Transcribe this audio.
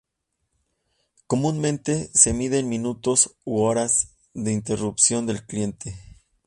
Comúnmente se mide en minutos u horas de interrupción del cliente.